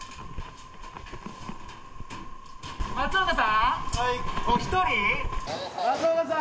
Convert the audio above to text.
松岡さん？